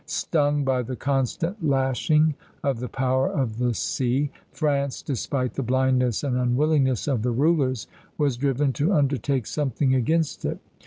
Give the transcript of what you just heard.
Stung by the constant lashing of the Power of the sea, France, despite the blindness and unwillingness of the rulers, was driven to undertake something against it.